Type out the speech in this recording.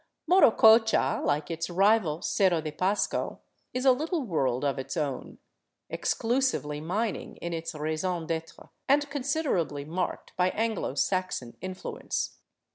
Morococha, like its rival, Cerro de Pasco, is a little world of its own, exclusively mining in its raison d'etre and considerably marked by Anglo Saxon influence.